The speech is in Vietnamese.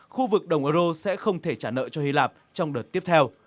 khu vực đồng euro sẽ không thể trả nợ cho hy lạp trong đợt tiếp theo